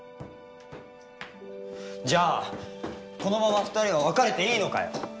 じゃあこのまま２人が別れていいのかよ？